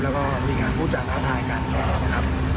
แล้วก็อาจมีใครพูดจากท้าทายกันครับ